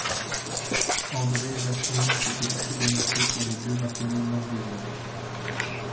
André Vasling s’était pris d’amitié pour les deux matelots norwégiens.